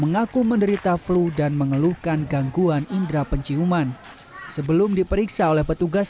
mengaku menderita flu dan mengeluhkan gangguan indera penciuman sebelum diperiksa oleh petugas